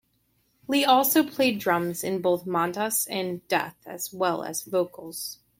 Lee also played drums in both Mantas and Death as well as vocals.